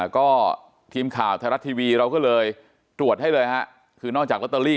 ก็ทีมข่าวไทยรัฐทีวีเราก็เลยตรวจให้เลยฮะคือนอกจากลอตเตอรี่